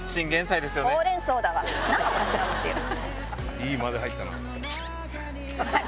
いい間で入ったな。